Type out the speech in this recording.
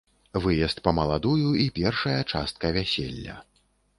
Выезд па маладую і першая частка вяселля.